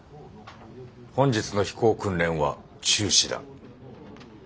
本日の飛行訓練は中止だ。